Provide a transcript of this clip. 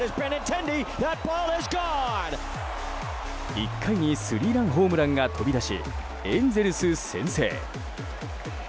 １回にスリーランホームランが飛び出しエンゼルス先制。